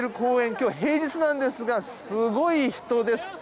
今日、平日なんですがすごい人です。